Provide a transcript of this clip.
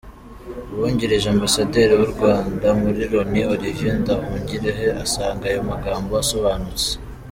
Uwungirije Ambasaderi w’u Rwanda muri Loni, Olivier Nduhungirehe asanga ayo magambo asonbanutse.